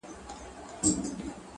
گوره په ما باندي ده څومره خپه~